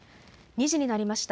２時になりました。